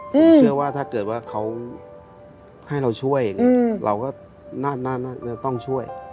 ผมเชื่อว่าถ้าเกิดว่าเขาให้เราช่วยอย่างเงี้ยเราก็น่าจะต้องช่วย